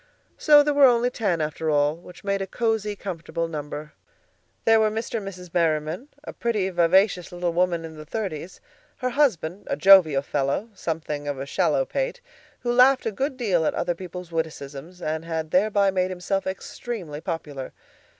So there were only ten, after all, which made a cozy, comfortable number. There were Mr. and Mrs. Merriman, a pretty, vivacious little woman in the thirties; her husband, a jovial fellow, something of a shallow pate, who laughed a good deal at other people's witticisms, and had thereby made himself extremely popular.